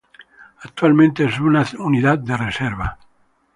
Actualmente, es una unidad de reserva.